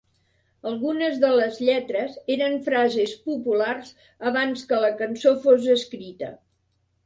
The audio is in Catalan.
Algunes de les lletres eren frases populars abans que la cançó fos escrita.